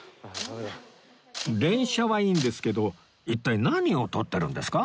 連写はいいんですけど一体何を撮ってるんですか？